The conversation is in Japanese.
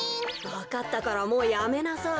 わかったからもうやめなさい。